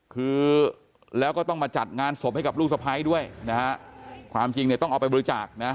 คือแล้วก็ต้องมาจัดงานศพให้กับลูกสะพ้ายด้วยนะฮะความจริงเนี่ยต้องเอาไปบริจาคนะ